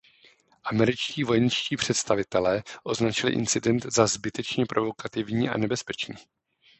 Američtí vojenští představitelé označili incident za „zbytečně provokativní a nebezpečný“.